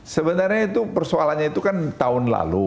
sebenarnya itu persoalannya itu kan tahun lalu